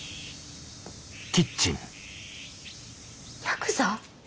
ヤクザ！？